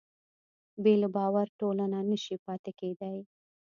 بې له باور ټولنه نهشي پاتې کېدی.